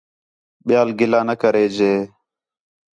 ٻِیال گِلہ نہ کرے جے